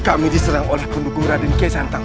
kami diserang oleh pendukung raden kiy sachang